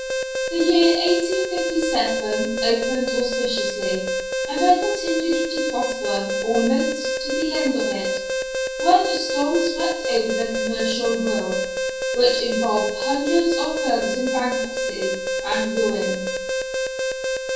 The year 1857 opened auspiciously, and I continued to prosper almost to the end of it, when a storm swept over the commercial world, which involved hundreds of firms in bankruptcy and ruin.